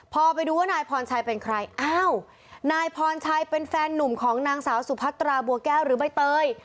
พอไปดูว่านายพรชัยเป็นใครอ้าวนายพรชัยเป็นแฟนหนุ่มของนางสาวสุพัตราบัวแก้วหรือใบเตย